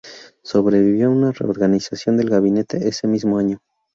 Sobrevivió a una reorganización del gabinete ese mismo año.